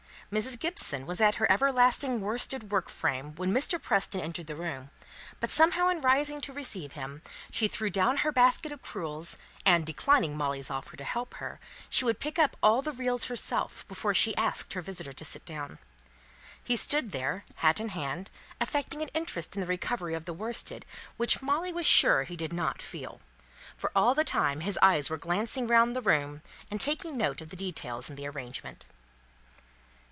Mrs. Gibson was at her everlasting worsted work frame when Mr. Preston entered the room; but somehow in rising to receive him, she threw down her basket of crewels, and, declining Molly's offer to help her, she would pick up all the reels herself, before she asked her visitor to sit down. He stood there, hat in hand, affecting an interest in the recovery of the worsted which Molly was sure he did not feel; for all the time his eyes were glancing round the room, and taking note of the details in the arrangement.